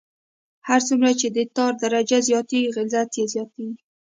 هر څومره چې د ټار درجه زیاتیږي غلظت یې زیاتیږي